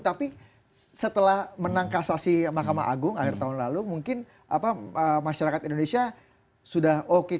tapi setelah menang kasasi mahkamah agung akhir tahun lalu mungkin masyarakat indonesia sudah oke